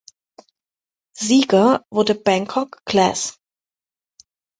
Sieger wurde Bangkok Glass.